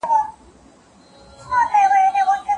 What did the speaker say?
يعقوب عليه السلام ته زامنو وويل ، چي يوسف شرموښ وخوړ.